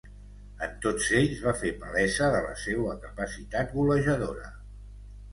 En tots ells va fer palesa de la seua capacitat golejadora.